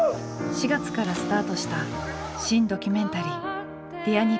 ４月からスタートした新・ドキュメンタリー「Ｄｅａｒにっぽん」。